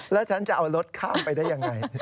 แล้วฉันจะเอารถข้ามไปได้ยังไง